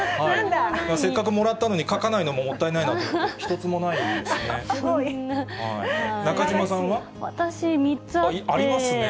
せっかくもらったのに、書かないのももったいないと思って、ひとつもないんですね。